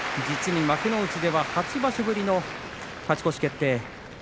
実に幕内では８場所ぶりの勝ち越し決定。